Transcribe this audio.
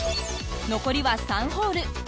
残りは３ホール。